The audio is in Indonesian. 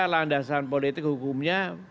landasan politik hukumnya